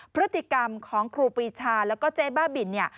พฤติกรรมของครูปีชาแล้วก็เจ๊บ้าบินเนี่ย